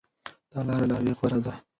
دا لاره له هغې غوره ده.